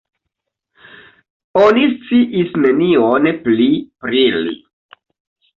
Oni sciis nenion pli pri li.